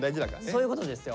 そういうことですよ。